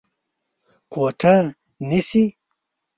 کوټه نيسې؟